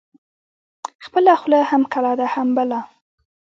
ـ خپله خوله هم کلا ده هم بلا ده.